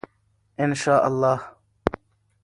ان شاء الله.